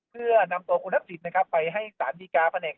เพื่อนำตัวคุณพฤษิษฐ์ไปให้สารพิการะแหน่ง